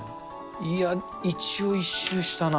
いや、一応一周したな。